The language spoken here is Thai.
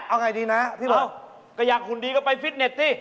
เอาง่ายดีนะพี่บอกเอากระยะคุณดีก็ไปฟิตเน็ตสิ